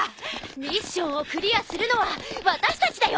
ミッションをクリアするのは私たちだよ！